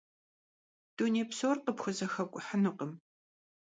Дуней псор къыпхузэхэкӀухьынукъым.